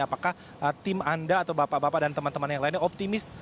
apakah tim anda atau bapak bapak dan teman teman yang lainnya optimis